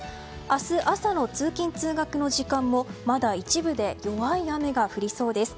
明日朝の通勤・通学の時間帯もまだ一部で弱い雨が降りそうです。